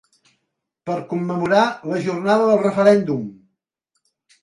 Per commemorar la jornada del referèndum!